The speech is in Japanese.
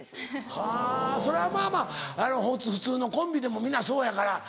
はぁそれはまぁまぁ普通のコンビでも皆そうやから。